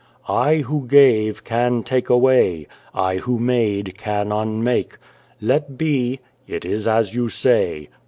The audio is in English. " I, who gave, can take away. I, who made, can unmake. Let be. ... It is as you say.